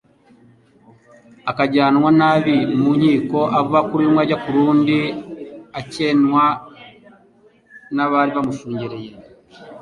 akajyanwa nabi mu nkiko ava kuri rumwe ajya ku rundi, akwenwa n'abari bamushungereye.